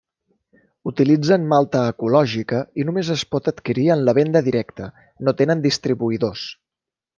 Utilitzen malta ecològica i només es pot adquirir en la venda directa, no tenen distribuïdors.